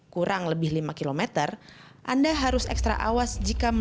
kurang lebih lima kilometer anda harus ekstra awal untuk menuju ke jalur panturan non tol